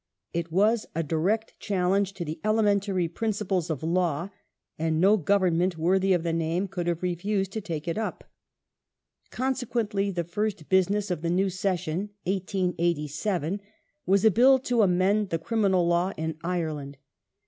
It was a direct challenge to the elementary principles of law, and no Government worthy of the name could have refused to take it up. Consequently, the first business of the new Session 518 DEMOCRACY AND EMPIRE [1885 (1887) was a Bill to amend the Criminal Law in Ireland.